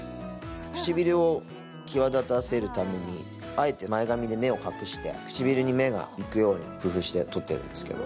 唇を際立たせるためにあえて前髪て目を隠して唇に目がいくように工夫して撮ってるんですけど。